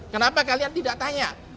kenapa kalian tidak tanya